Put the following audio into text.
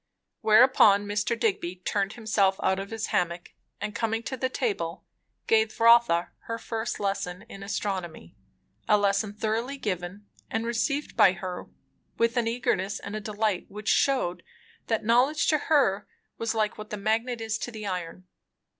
Whereupon Mr. Digby turned himself out of his hammock, and coming to the table gave Rotha her first lesson in astronomy; a lesson thoroughly given, and received by her with an eagerness and a delight which shewed that knowledge to her was like what the magnet is to the iron.